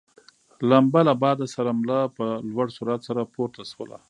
لمبه له باده سره مله په لوړ سرعت سره پورته شول.